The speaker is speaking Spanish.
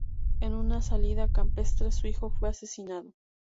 En una salida campestre su hijo fue asesinado.